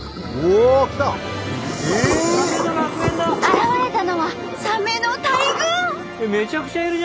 現れたのはサメの大群！